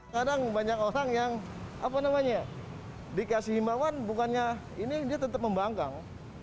kadang banyak orang yang dikasih himbawan bukannya ini dia tetap membangkang